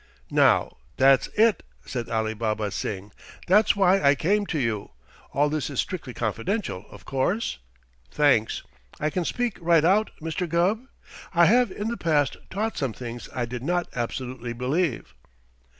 "Now, that's it!" said Alibaba Singh. "That's why I came to you. All this is strictly confidential, of course? Thanks. I can speak right out, Mr. Gubb? I have in the past taught some things I did not absolutely believe."